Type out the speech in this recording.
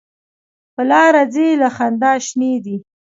په لاره ځي له خندا شینې دي.